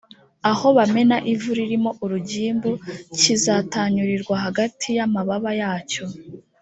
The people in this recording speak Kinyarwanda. aho bamena ivu ririmo urugimbu kizatanyurirwe hagati y amababa yacyo